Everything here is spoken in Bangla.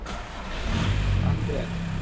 তারা ভিতরে আছে।